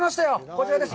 こちらです。